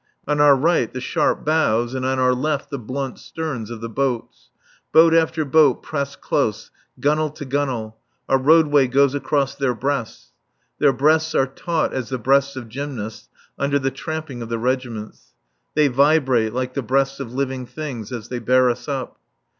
On our right the sharp bows and on our left the blunt sterns of the boats. Boat after boat pressed close, gunwale to gunwale, our roadway goes across their breasts. Their breasts are taut as the breasts of gymnasts under the tramping of the regiments. They vibrate like the breasts of living things as they bear us up.